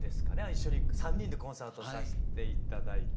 一緒に３人でコンサートをさせて頂いてね。